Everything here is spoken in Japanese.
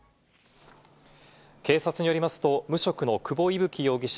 警察によりますと、無職の久保威吹容疑者